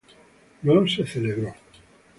No se celebró